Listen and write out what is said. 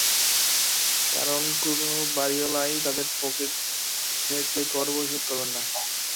কারণ, কোনো বাড়িওয়ালাই তাঁদের পকেট থেকে কর পরিশোধ করবেন না।